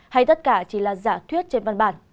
hay tất cả chỉ là giả thuyết trên văn bản